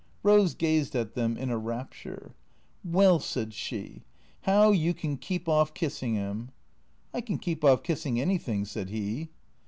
Eose gazed at them in a rapture. " Well," said she, " how you can keep orf kissin' 'im "" I can keep off kissing anything," said he.